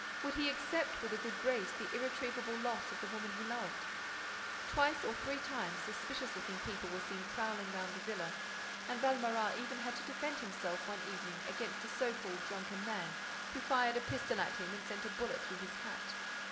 Would he accept with a good grace the irretrievable loss of the woman he loved? Twice or three times, suspicious looking people were seen prowling round the villa; and Valméras even had to defend himself one evening against a so called drunken man, who fired a pistol at him and sent a bullet through his hat.